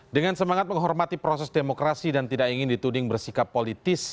dengan semangat menghormati proses demokrasi dan tidak ingin dituding bersikap politis